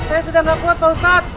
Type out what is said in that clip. saya sudah gak kuat pak ustaz